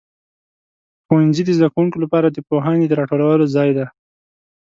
ښوونځي د زده کوونکو لپاره د پوهنې د راټولو ځای دی.